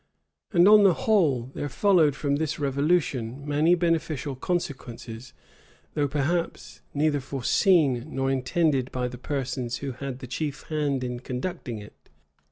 And on the whole, there followed from this revolution many beneficial consequences; though perhaps neither foreseen nor intended by the persons who had the chief hand in conducting it.